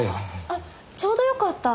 あっちょうどよかった。